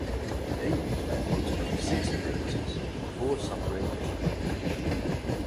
Davies went on to make six appearances before suffering a hip injury.